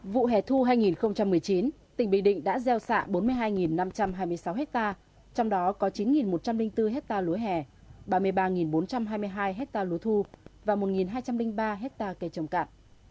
vụ hẻ thu hai nghìn một mươi chín tỉnh bình định đã gieo xạ bốn mươi hai năm trăm hai mươi sáu ha trong đó có chín một trăm linh bốn hectare lúa hẻ ba mươi ba bốn trăm hai mươi hai hectare lúa thu và một hai trăm linh ba hectare cây trồng cạn